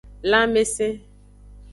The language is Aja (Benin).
Lanmese.